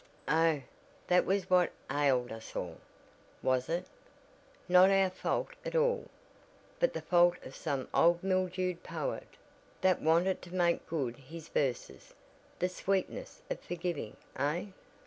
"Oh, that was what ailed us all, was it? Not our fault at all, but the fault of some old mildewed poet, that wanted to make good his verses. The 'sweetness of forgiving,' eh?